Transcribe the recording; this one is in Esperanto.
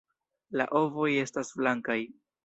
La ovoj estas blankaj.